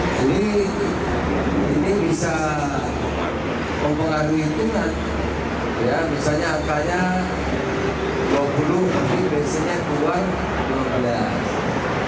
saya beberapa kali tes maksudnya di dekat rumah saya itu